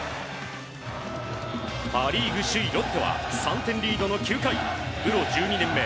パ・リーグ首位ロッテは３点リードの９回プロ１２年目